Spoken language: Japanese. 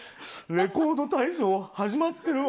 「レコード大賞」始まってるわ。